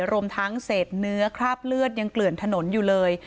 รวมทั้งเศษเนื้อคราบเลือดยังเกลื่อนถนนอยู่เลย